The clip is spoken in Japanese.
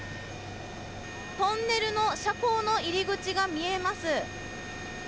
トンネルの斜坑の入り口が見えます。